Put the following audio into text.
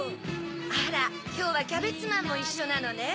あらきょうはキャベツマンもいっしょなのね。